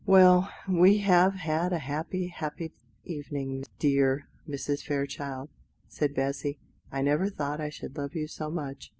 "Well, we have had a happy, happy evening, dear Mrs. Fairchild," said Bessy; "I never thought I should love you so much."